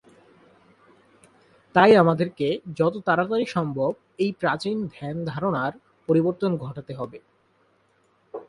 তাই আমাদেরকে যত তাড়াতাড়ি সম্ভব এই প্রাচীন ধ্যান-ধারণার পরিবর্তন ঘটাতে হবে।